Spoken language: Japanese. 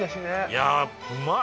いやうまい！